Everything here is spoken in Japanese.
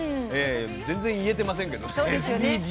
全然言えてませんけどねＳＤＧｓ。